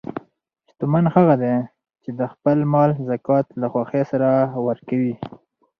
شتمن هغه دی چې د خپل مال زکات له خوښۍ سره ورکوي.